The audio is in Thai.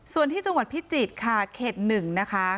ส่วนที่จังหวัดพิจิตรค่ะเขต๑นะคะ